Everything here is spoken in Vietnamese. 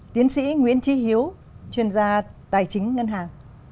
tiến sĩ nguyễn trí hiếu chuyên gia tài chính ngân hàng